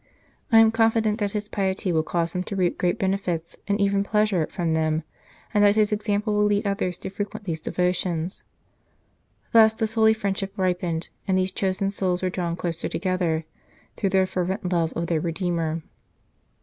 I am con fident that his piety will cause him to reap great benefit, and even pleasure, from them, and that his example will lead others to frequent these devotions." Thus this holy friendship ripened and these chosen souls were drawn closer together, through their fervent love of their Redeemer.